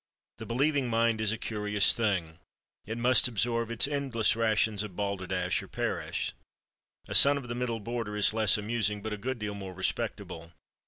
The believing mind is a curious thing. It must absorb its endless rations of balderdash, or perish.... "A Son of the Middle Border" is less amusing, but a good deal more respectable.